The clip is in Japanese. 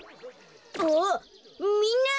あみんな！